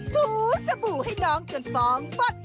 ฟูสบู่ให้น้องจนฟองฟัด